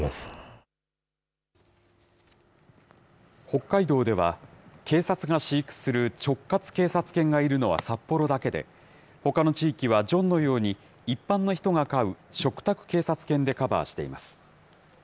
北海道では、警察が飼育する直轄警察犬がいるのは札幌だけで、ほかの地域は、ジョンのように、一般の人が飼う嘱託警察犬でカバーしています。